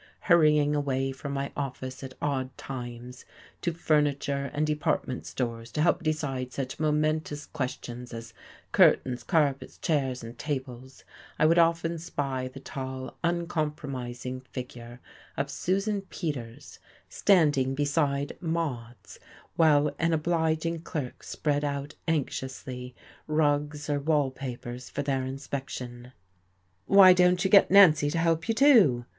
Hurrying away from my office at odd times to furniture and department stores to help decide such momentous questions as curtains, carpets, chairs and tables I would often spy the tall, uncompromising figure of Susan Peters standing beside Maude's, while an obliging clerk spread out, anxiously, rugs or wall papers for their inspection. "Why don't you get Nancy to help you, too!"